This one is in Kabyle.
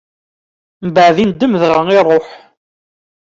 Mbeɛd indem, dɣa iṛuḥ.